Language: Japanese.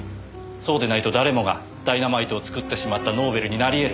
そうでないと誰もがダイナマイトを作ってしまったノーベルになりえる。